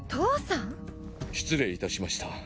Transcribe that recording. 失礼いたしました。